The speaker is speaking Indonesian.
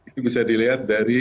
itu bisa dilihat dari